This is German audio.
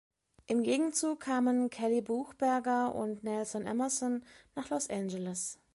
Im Gegenzug kamen Kelly Buchberger und Nelson Emerson nach Los Angeles.